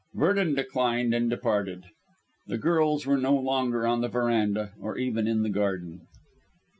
Vernon declined and departed. The girls were no longer on the verandah or even in the garden.